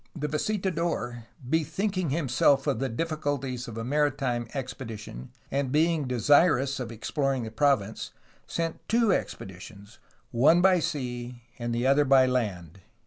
The visitador, bethinking himself of the difficulties of a maritime expedition and being de sirous of exploring the province, sent two expeditions, one by sea and the other by land."